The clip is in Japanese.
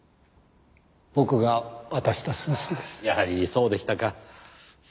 やはりそうでしたか。